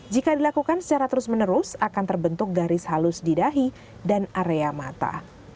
jika dilakukan secara terus menerus akan terbentuk garis halus di dahi dan area mata